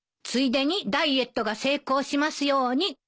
ついでにダイエットが成功しますように。